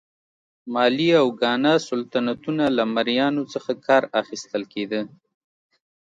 مالي او ګانا سلطنتونه له مریانو څخه کار اخیستل کېده.